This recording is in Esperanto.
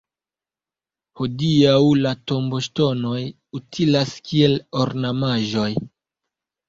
Hodiaŭ la tomboŝtonoj utilas kiel ornamaĵoj.